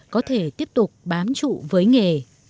có thể tiếp tục bám trụ với nghề